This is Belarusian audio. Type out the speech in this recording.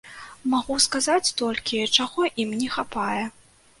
Магу сказаць толькі, чаго ім не хапае.